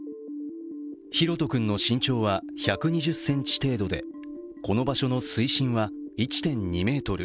大翔君の身長は１２０ｃｍ程度でこの場所の水深は１．２ｍ。